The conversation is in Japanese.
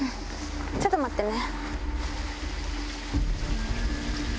ちょっと待ってね。